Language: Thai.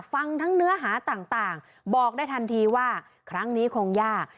ฟังทั้งเนื้อหาต่างบอกได้ทันทีว่าครั้งนี้คงยาก